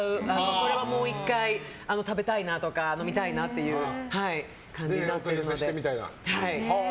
これはもう１回食べたいなとか飲みたいなっていう感じで。